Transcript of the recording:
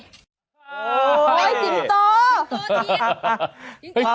โส้สิฟโต